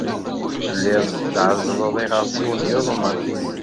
Telliḍ tɛezzleḍ iɣersiwen yuḍnen.